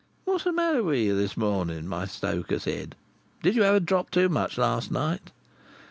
'What's the matter with you this morning?' my stoker said. 'Did you have a drop too much last night?